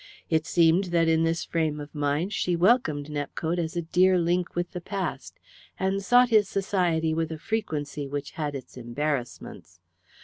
It seemed that in this frame of mind she welcomed Nepcote as a dear link with the past, and sought his society with a frequency which had its embarrassments.